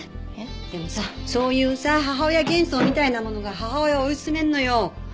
えっ？でもさそういうさ母親幻想みたいなものが母親を追い詰めるのよ。